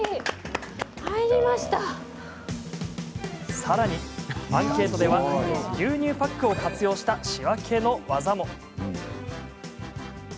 さらに、アンケートでは牛乳パックを活用した仕分けのワザも。